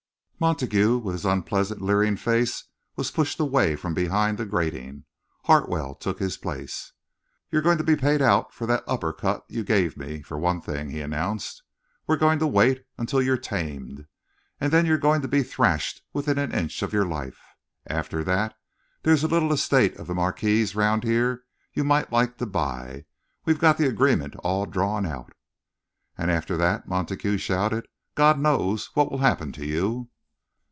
Montague, with his unpleasant, leering face, was pushed away from behind the grating. Hartwell took his place. "You're going to be paid out for that upper cut you gave me, for one thing," he announced. "We're going to wait until you're tamed, and then you're going to be thrashed within an inch of your life. After that, there's a little estate of the Marquis's round here you might like to buy. We've got the agreement all drawn out." "And after that," Montague shouted, "God knows what will happen to you!"...